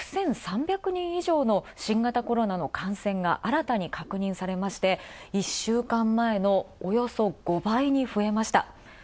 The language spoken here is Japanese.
６３００人以上の新型コロナの感染が新たに確認されまして、１週間前のおよそ５倍に増えました。